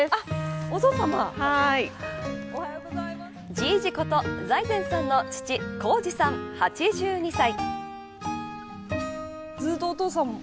じいじこと財前さんの父、紘二さん８２歳。